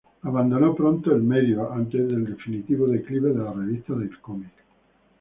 Abandonó pronto el medio, antes del definitivo declive de las revistas de cómic.